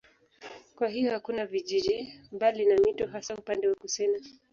Kwa hiyo hakuna vijiji mbali na mito hasa upande wa kusini.